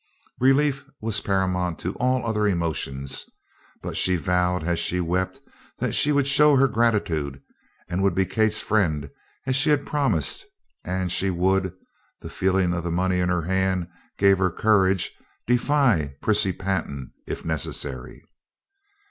Relief was paramount to all other emotions, but she vowed as she wept that she would show her gratitude, and would be Kate's friend as she had promised, and she would the feeling of the money in her hand gave her courage defy Prissy Pantin, if necessary.